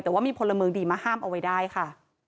แต่ว่ามีพลเมืองดีมาห้ามเอาไว้ได้ค่ะ